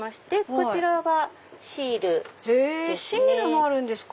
こちらはシールですね。